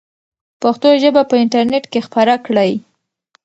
پښتو ژبه په انټرنیټ کې خپره کړئ.